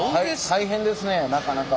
大変ですねなかなか。